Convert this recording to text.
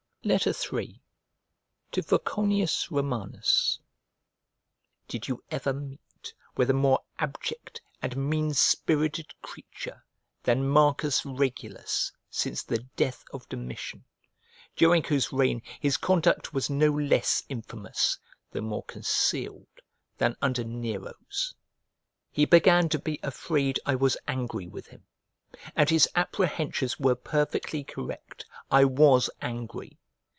III To VOCONIUS ROMANUS DID YOU ever meet with a more abject and mean spirited creature than Marcus Regulus since the death of Domitian, during whose reign his conduct was no less infamous, though more concealed, than under Nero's? He began to be afraid I was angry with him, and his apprehensions were perfectly correct; I was angry.